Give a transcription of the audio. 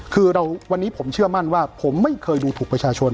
คือวันนี้ผมเชื่อมั่นว่าผมไม่เคยดูถูกประชาชน